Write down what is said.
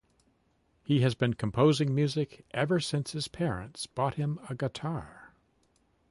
He has been composing music ever since his parents bought him a guitar.